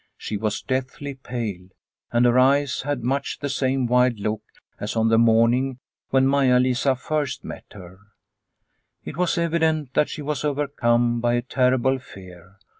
She was deathly pale, and her eyes had much the same wild look as on the morning when Maia Lisa first met her. It was evident that she was overcome by a terrible fear.